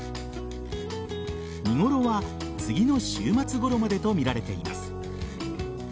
見頃は次の週末ごろまでとみられています。